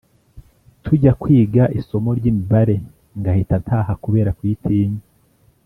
Tujya kwiga isomo ry’ imibare ngahita ntaha kubera kuyitinya